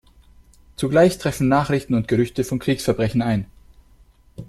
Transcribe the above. Zugleich treffen Nachrichten und Gerüchte von Kriegsverbrechen ein.